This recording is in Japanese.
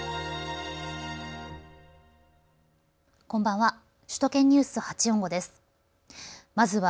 こんばんは。